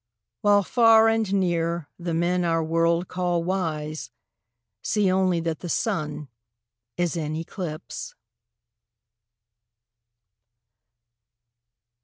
While far and near the men our world call wise See only that the Sun is in eclipse.